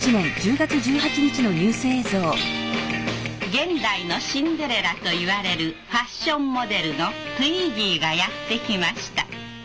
現代のシンデレラといわれるファッションモデルのツイッギーがやってきました。